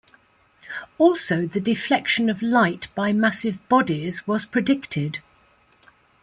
Also the deflection of light by massive bodies was predicted.